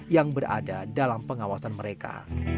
yang berada dalam pengawasan mereka